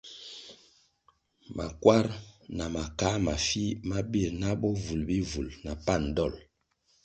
Makwar na makā mafih ma bir na bovulʼ bihvul na pan dol.